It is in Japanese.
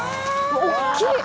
大きい！